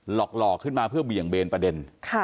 หลอกขึ้นมาเพื่อเบี่ยงเบนประเด็น